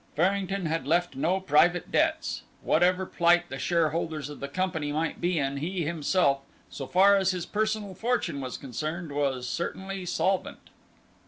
Farrington had left no private debts. Whatever plight the shareholders of the company might be in, he himself, so far as his personal fortune was concerned, was certainly solvent.